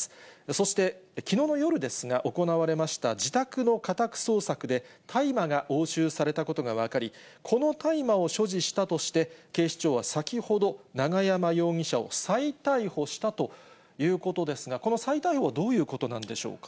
そして、きのうの夜ですが、行われました自宅の家宅捜索で、大麻が押収されたことが分かり、この大麻を所持したとして、警視庁は先ほど、永山容疑者を再逮捕したということですが、この再逮捕はどういうことなんでしょうか。